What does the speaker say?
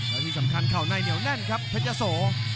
และที่สำคัญเข่าในเหนียวแน่นครับเพชรยะโส